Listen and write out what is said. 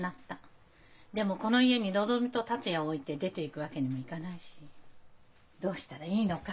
でもこの家にのぞみと達也を置いて出ていくわけにもいかないしどうしたらいいのか」